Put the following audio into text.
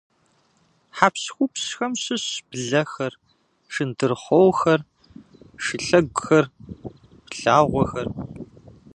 Хьэпщхупщхэм щыщщ блэхэр, шындрыхъуохэр, шылъэгухэр, благъуэхэр.